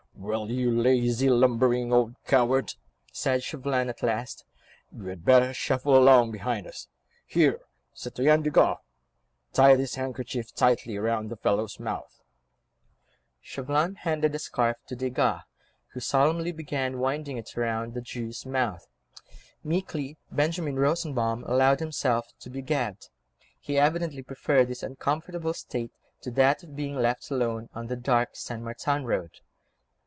"Well, you lazy, lumbering old coward," said Chauvelin at last, "you had better shuffle along behind us. Here, Citoyen Desgas, tie this handkerchief tightly round the fellow's mouth." Chauvelin handed a scarf to Desgas, who solemnly began winding it round the Jew's mouth. Meekly Benjamin Rosenbaum allowed himself to be gagged; he, evidently, preferred this uncomfortable state to that of being left alone, on the dark St. Martin Road.